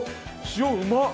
塩うまっ！